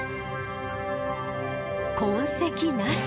痕跡なし。